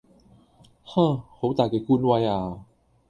哼,好大嘅官威呀!